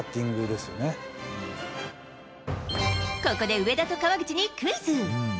ここで上田と川口にクイズ。